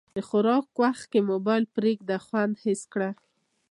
د خوراک وخت کې موبایل پرېږده، خوند حس کړه.